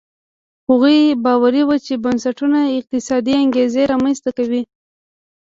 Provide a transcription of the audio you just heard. هغوی باوري وو چې بنسټونه اقتصادي انګېزې رامنځته کوي.